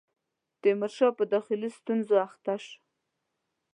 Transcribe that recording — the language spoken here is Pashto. تیمورشاه په داخلي ستونزو اخته شو.